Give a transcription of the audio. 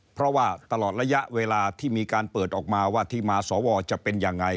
เพราะว่าตลอดระยะเวลาที่มีการเปิดออกมาว่าที่มาสวจะเป็นยังไง